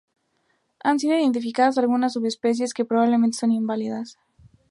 Han sido identificadas algunas subespecies, pero probablemente son inválidas.